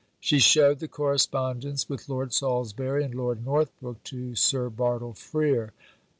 She showed the correspondence with Lord Salisbury and Lord Northbrook to Sir Bartle Frere.